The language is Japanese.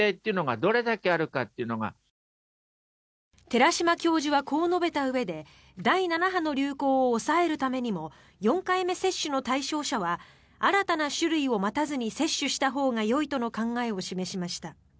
寺嶋教授はこう述べたうえで第７波の流行を抑えるためにも４回目接種の対象者は新たな種類を待たずに接種したほうがよいとの考えを示しました。